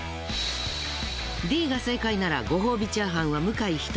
Ｄが正解ならご褒美チャーハンは向井１人。